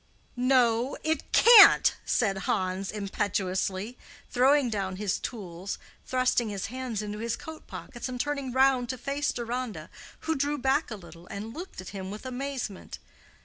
"No, it can't," said Hans, impetuously, throwing down his tools, thrusting his hands into his coat pockets, and turning round to face Deronda, who drew back a little and looked at him with amazement.